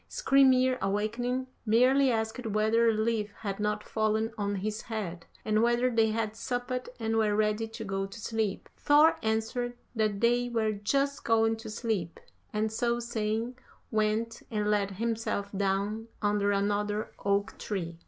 Skrymir, awakening, merely asked whether a leaf had not fallen on his head, and whether they had supped and were ready to go to sleep. Thor answered that they were just going to sleep, and so saying, went and laid himself down under another oak tree.